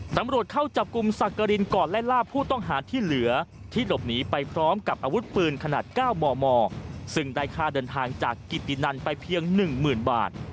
ตำรวจเข้าจับกลุ่มสักกรินก่อนไล่ล่าผู้ต้องหาที่เหลือที่หลบหนีไปพร้อมกับอาวุธปืนขนาด๙มมซึ่งได้ค่าเดินทางจากกิตินันไปเพียง๑๐๐๐บาท